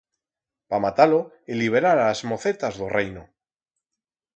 Pa matar-lo e liberar a as mocetas d'o reino.